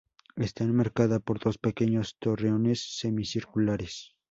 Está enmarcada por dos pequeños torreones semicirculares.